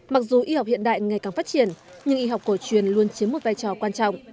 mặc dù y học hiện đại ngày càng phát triển nhưng y học cổ truyền luôn chiếm một vai trò quan trọng